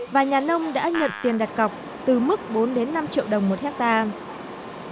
và nhà nông đã nhận tiền đặt cọc từ mức bốn đến năm triệu đồng một hectare